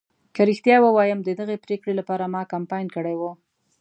که رښتیا ووایم ددغې پرېکړې لپاره ما کمپاین کړی و.